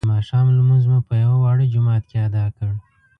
د ماښام لمونځ مو په یوه واړه جومات کې ادا کړ.